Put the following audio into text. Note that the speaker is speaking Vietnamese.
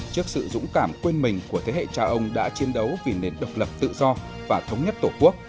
trước sự dũng cảm quên mình của thế hệ cha ông đã chiến đấu vì nền độc lập tự do và thống nhất tổ quốc